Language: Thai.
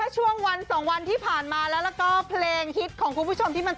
ช่วงค่า